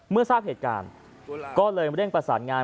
ทราบเหตุการณ์ก็เลยเร่งประสานงาน